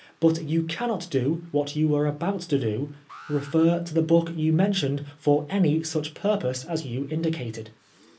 But you cannot do what you were about to do— refer to the book you mentioned for any such pur pose as you indicated.